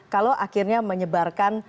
kalau akhirnya menyebarkan